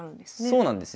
そうなんですよ。